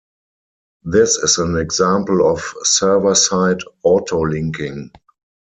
This is an example of server-side AutoLinking.